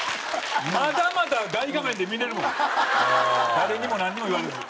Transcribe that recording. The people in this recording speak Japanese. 誰にもなんにも言われず。